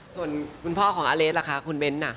ส่วนคุณพ่อของอาเลสล่ะคะคุณเบ้นน่ะ